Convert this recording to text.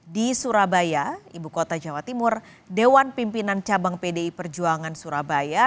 di surabaya ibu kota jawa timur dewan pimpinan cabang pdi perjuangan surabaya